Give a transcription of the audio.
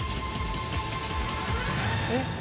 ・えっ。